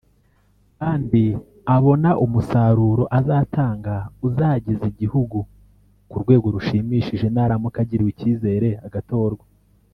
kandi abona umusaruro azatanga uzageza igihugu ku rwego rushimishije naramuka agiriwe icyizere agatorwa